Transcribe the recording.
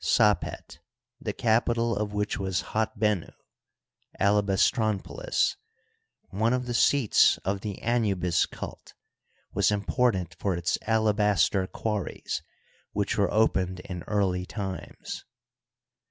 Sapet, the capital of which was Hatbenu (Alabastronpolis), one of the seats of the Anubis cult, was important for its alabaster auarries, which were opened in early times.